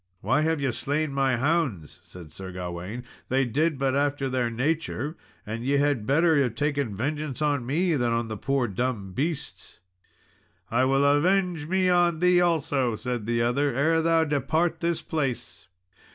"Why have ye slain my hounds?" said Sir Gawain; "they did but after their nature: and ye had better have taken vengeance on me than on the poor dumb beasts." "I will avenge me on thee, also," said the other, "ere thou depart this place."